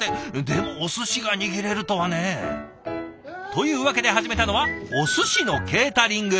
でもおすしが握れるとはね。というわけで始めたのはおすしのケータリング。